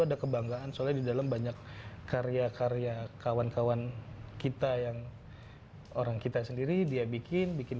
ada kebanggaan soalnya di dalam banyak karya karya kawan kawan kita yang orang kita sendiri dia bikin bikin